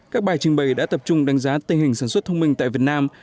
các bài trình bày đã tập trung đánh giá tình hình sản xuất thông minh tại việt nam